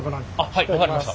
はい分かりました。